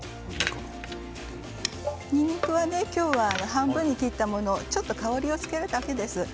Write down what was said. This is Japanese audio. にんにくは、今日は半分に切ったものを香りをつけるだけです。